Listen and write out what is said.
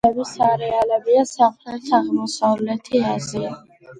გავრცელების არეალებია სამხრეთ-აღმოსავლეთი აზია.